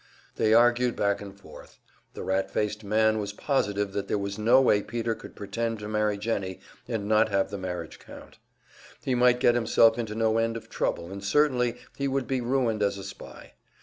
They argued back and forth. The rat faced man was positive that there was no way Peter could pretend to marry Jennie and not have the marriage count. He might get himself into no end of trouble and certainly he would be ruined as a spy.